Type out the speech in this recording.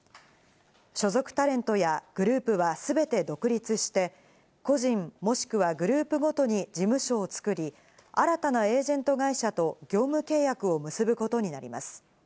所属タレントやグループは全て独立して、個人、もしくはグループごとに事務所を作り、新たなエージェント会社と業務契約を結ぶことになります。